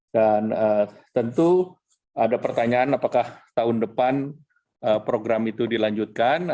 dan tentu ada pertanyaan apakah tahun depan program itu dilanjutkan